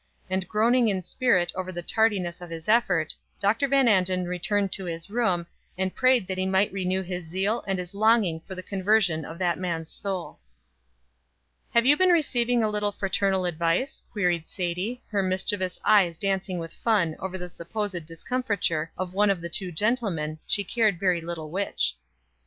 And groaning in spirit over the tardiness of his effort, Dr. Van Anden returned to his room, and prayed that he might renew his zeal and his longing for the conversion of that man's soul. "Have you been receiving a little fraternal advice?" queried Sadie, her mischievous eyes dancing with fun over the supposed discomfiture of one of the two gentlemen, she cared very little which.